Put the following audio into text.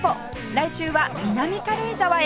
来週は南軽井沢へ